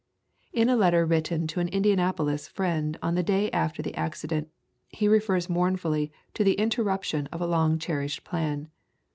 In a letter writ ten to Indianapolis friends on the day after the accident, he refers mournfully to the interrup tion of a long cherished plan.